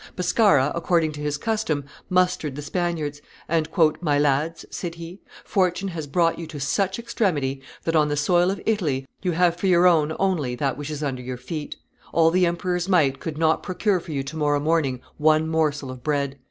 Pescara, according to his custom, mustered the Spaniards; and, "My lads," said he, "fortune has brought you to such extremity that on the soil of Italy you have for your own only that which is under your feet. All the emperor's might could not procure for you to morrow morning one morsel of bread.